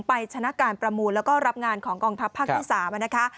ชนะการประมูลแล้วก็รับงานของกองทัพภาคที่๓นะคะ